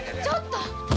ちょっと！